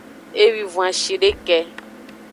Ewwivon ashideke.